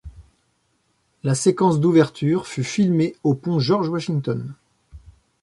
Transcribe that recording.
La séquence d'ouverture fut filmée au pont George Washington.